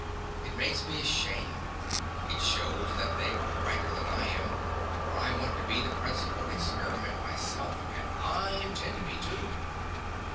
It makes me ashamed. It shows that they are brighter than I am, for I want to be the principal Experiment myself and I intend to be, too.